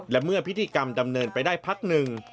และเมื่อพิธีกรรมดำเนินไปได้พักหนึ่ง